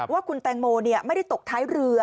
ว่าคุณแตงโมไม่ได้ตกท้ายเรือ